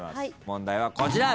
問題はこちら。